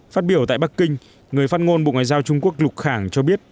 phát biểu tại bắc kinh người phát ngôn bộ ngoại giao trung quốc lục khẳng cho biết